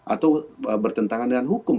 atau bertentangan dengan hukum